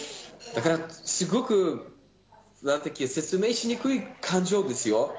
だから、すごく説明しにくい感情ですよ。